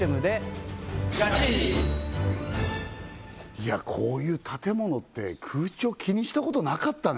いやこういう建物って空調気にしたことなかったね